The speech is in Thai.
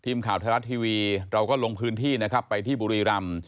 ทีมข่าวไทยรัฐทีวีเราก็ลงพื้นที่นะครับไปที่บุรีรำ